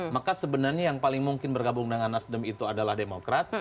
maka sebenarnya yang paling mungkin bergabung dengan nasdem itu adalah demokrat